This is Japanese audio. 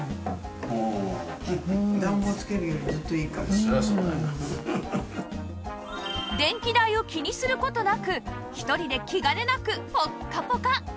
そして電気代を気にする事なく１人で気兼ねなくポッカポカ！